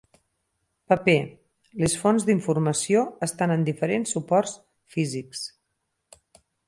Paper: les fonts d'informació estan en diferents suports físics.